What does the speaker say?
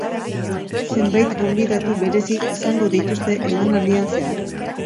Zebait gonbidatu berezi izango dituzte emanaldian zehar.